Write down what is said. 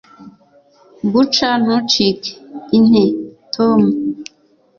Gusa ntucike inte Tom